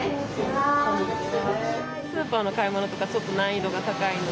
こんにちは。